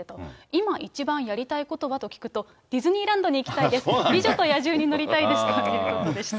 今一番やりたいことは？と聞くと、ディズニーランドに行きたいです、美女と野獣に乗りたいですということでした。